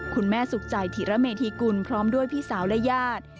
คุณแม่สุขใจธิระเมธีกุลพร้อมด้วยพี่สาวและญาติ